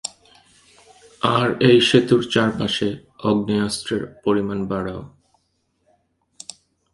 আর এই সেতুর চারপাশে আগ্নেয়াস্ত্রের পরিমাণ বাড়াও।